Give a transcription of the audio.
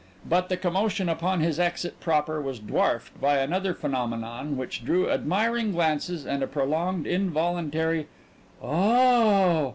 But the commotion upon his exit proper was dwarfed by another phenomenon which drew admiring glances and a prolonged involuntary "Oh h h!"